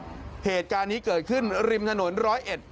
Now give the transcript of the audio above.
เหตุการณ์นี้เกิดขึ้นริมถนนร้อยเอ็ด